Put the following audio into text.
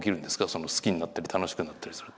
その好きになったり楽しくなったりすると。